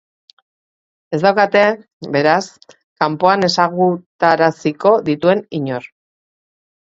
Ez daukate, beraz, kanpoan ezagutaraziko dituen inor.